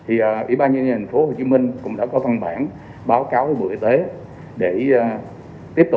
ủy ban nhân dân thành phố hồ chí minh cũng đã có văn bản báo cáo với bộ y tế để tiếp tục